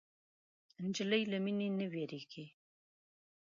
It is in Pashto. نجلۍ له مینې نه وږيږي.